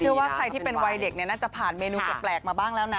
ว่าใครที่เป็นวัยเด็กเนี่ยน่าจะผ่านเมนูแปลกมาบ้างแล้วนะ